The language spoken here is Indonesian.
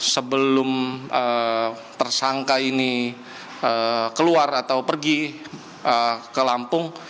sebelum tersangka ini keluar atau pergi ke lampung